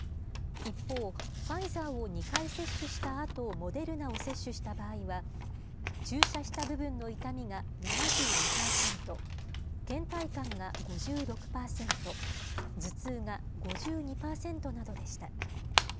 一方、ファイザーを２回接種したあと、モデルナを接種した場合は、注射した部分の痛みが７２％、けん怠感が５６％、頭痛が５２％などでした。